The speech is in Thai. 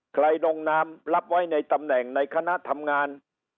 ดงนามรับไว้ในตำแหน่งในคณะทำงาน